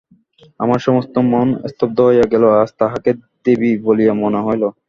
আমার সমস্ত মন স্তব্ধ হইয়া গেল, আজ তাহাকে দেবী বলিয়া মনে হইল।